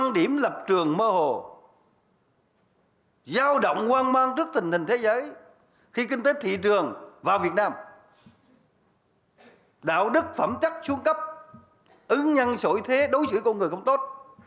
đạo đức phẩm chắc xuống cấp ứng nhăn sổi thế đối xử với con người không tốt